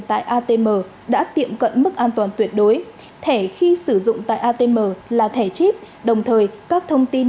tại atm đã tiệm cận mức an toàn tuyệt đối thẻ khi sử dụng tại atm là thẻ chip đồng thời các thông tin